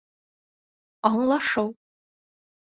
Аңлашыу